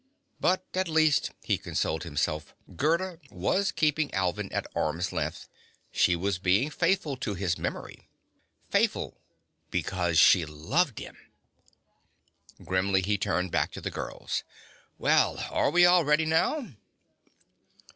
But at least, he consoled himself, Gerda was keeping Alvin at arm's length. She was being faithful to his memory. Faithful because she loved him. Grimly, he turned back to the girls. "Well, are we all ready now?"